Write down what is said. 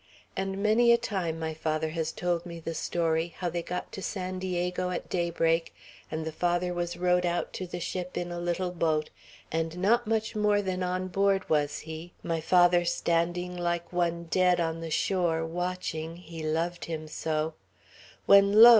And many a time my father has told me the story, how they got to San Diego at daybreak, and the Father was rowed out to the ship in a little boat; and not much more than on board was he, my father standing like one dead on the shore, watching, he loved him so, when, lo!